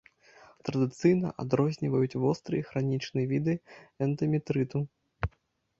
Традыцыйна адрозніваюць востры і хранічны віды эндаметрыту.